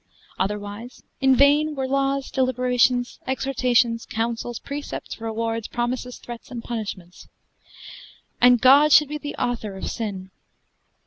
Otherwise, in vain were laws, deliberations, exhortations, counsels, precepts, rewards, promises, threats and punishments: and God should be the author of sin.